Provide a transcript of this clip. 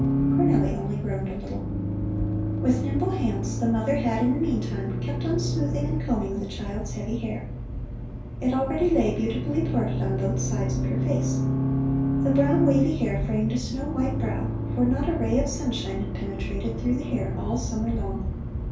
Cornelli only groaned a little. With nimble hands the mother had in the meantime kept on smoothing and combing the child's heavy hair. It already lay beautifully parted on both sides of her face. The brown, wavy hair framed a snow white brow, for not a ray of sunshine had penetrated through the hair all summer long.